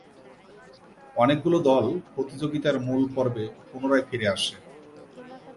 অনেকগুলো দল প্রতিযোগিতার মূল পর্বে পুনরায় ফিরে আসে।